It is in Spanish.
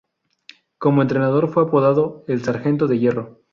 Como entrenador fue apodado "El Sargento de Hierro".